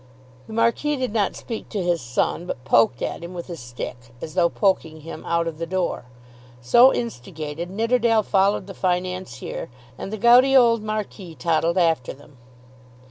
The Marquis did not speak to his son, but poked at him with his stick, as though poking him out of the door. So instigated Nidderdale followed the financier, and the gouty old Marquis toddled after them.